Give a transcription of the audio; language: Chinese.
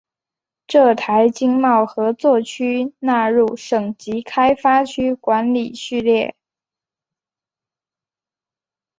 浙台经贸合作区纳入省级开发区管理序列。